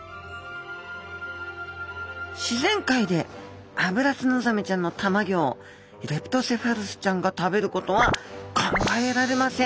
自然界でアブラツノザメちゃんのたまギョをレプトセファルスちゃんが食べることは考えられません。